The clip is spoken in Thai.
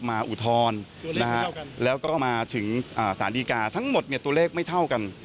อุทธรณ์นะฮะแล้วก็มาถึงสารดีกาทั้งหมดเนี่ยตัวเลขไม่เท่ากัน